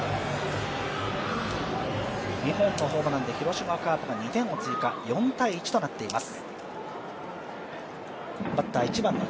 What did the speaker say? ２本のホームランで広島カープが２点を追加、４−１となっています。